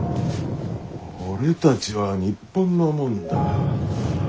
俺たちは日本の者だ。